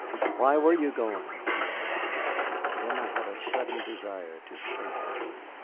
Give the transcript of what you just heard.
"And why were you going?" he demanded. Then I had a sudden desire to shake him.